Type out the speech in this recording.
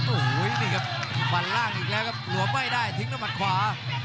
โอ้โหนี่ครับฟันล่างอีกแล้วครับหลวมไม่ได้ทิ้งด้วยมัดขวา